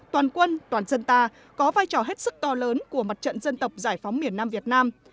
toàn quân toàn dân ta có vai trò hết sức to lớn của mặt trận dân tộc giải phóng miền nam việt nam